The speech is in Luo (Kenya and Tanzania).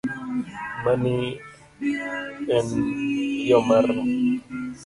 Mani en yo mar m